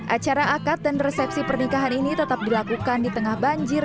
acara akad dan resepsi pernikahan ini tetap dilakukan di tengah banjir